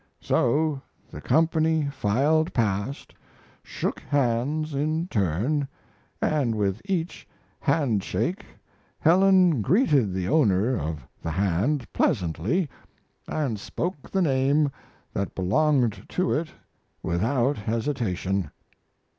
So the company filed past, shook hands in turn, and with each hand shake Helen greeted the owner of the hand pleasantly and spoke the name that belonged to it without hesitation.